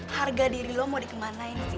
harga diri lo mau dikemanain sih